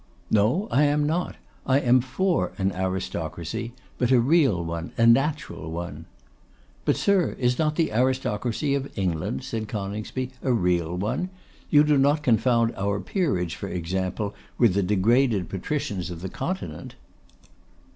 'No, I am not. I am for an aristocracy; but a real one, a natural one.' 'But, sir, is not the aristocracy of England,' said Coningsby, 'a real one? You do not confound our peerage, for example, with the degraded patricians of the Continent.